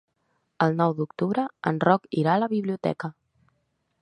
El nou d'octubre en Roc irà a la biblioteca.